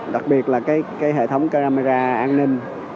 đặc biệt là cái hệ thống camera an ninh